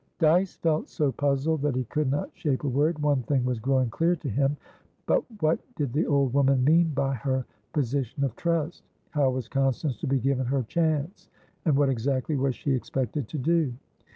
Dyce felt so puzzled that he could not shape a word. One thing was growing clear to him; but what did the old woman mean by her "position of trust?" How was Constance to be given her "chance?" And what, exactly, was she expected to do?